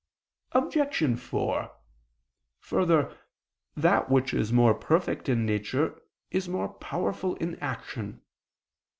Obj. 4: Further, that which is more perfect in nature, is more powerful in action.